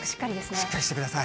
しっかりしてください。